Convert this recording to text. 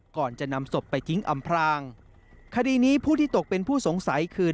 ก่อนจะนำศพไปทิ้งอำพรางคดีนี้ผู้ที่ตกเป็นผู้สงสัยคือ